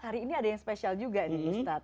hari ini ada yang spesial juga nih ustadz